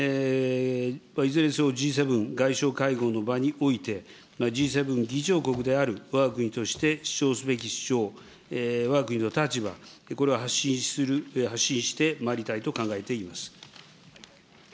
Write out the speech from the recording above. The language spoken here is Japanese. いずれにせよＧ２０外相会合の場において、Ｇ７議長国であるわが国として主張すべき主張、わが国の立場、これは発信する、発信してまいりたいと考えています。